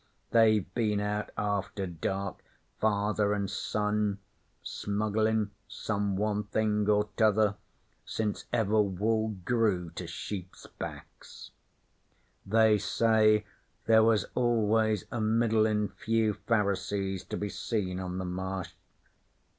They've been out after dark, father an' son, smugglin' some one thing or t'other, since ever wool grew to sheep's backs. They say there was always a middlin' few Pharisees to be seen on the Marsh.